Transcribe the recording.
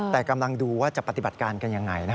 แต่กำลังดูว่าจะปฏิบัติการกันยังไง